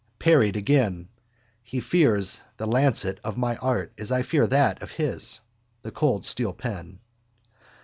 Parried again. He fears the lancet of my art as I fear that of his. The cold steel pen.